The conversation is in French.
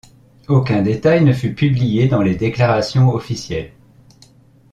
Aucun détail ne fut publié dans les déclarations officielles.